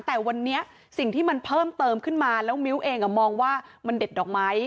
แต่วันนี้สิ่งที่มันเพิ่มเติมขึ้นมาแล้วมิ้วเองมองว่ามันเด็ดดอกไม้